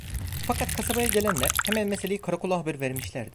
Fakat kasabaya gelenler hemen meseleyi karakola haber vermişlerdi.